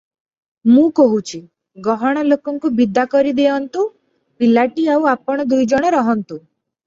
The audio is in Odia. ମୁଁ କହୁଛି, ଗହଣ ଲୋକଙ୍କୁ ବିଦା କରି ଦେଉନ୍ତୁ, ପିଲାଟି ଆଉ ଆପଣ ଦୁଇଜଣ ରହନ୍ତୁ ।